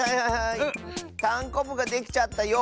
たんこぶができちゃったよ。